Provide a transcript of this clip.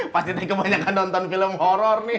pasti tak kebanyakan nonton film horor nih